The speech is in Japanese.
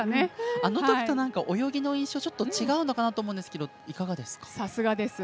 あのときと泳ぎの印象違うのかなと思うんですがいかがですか。